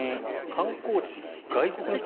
観光地、外国の人